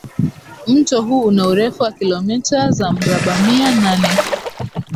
Mto huu una urefu wa kilometa za mrabamia nane